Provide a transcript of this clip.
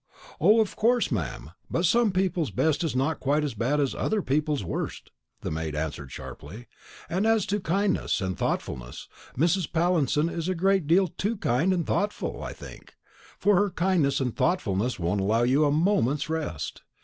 "O, of course, ma'am; but some people's best is quite as bad as other people's worst," the maid answered sharply; "and as to kindness and thoughtfulness, Mrs. Pallinson is a great deal too kind and thoughtful, I think; for her kindness and thoughtfulness won't allow you a moment's rest.